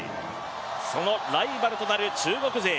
そのライバルとなる中国勢。